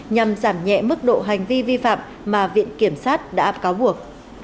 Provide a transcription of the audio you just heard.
nhằm giảm nhẹ mức độ hành vi vi phạm mà viện kiểm sát đã cáo buộc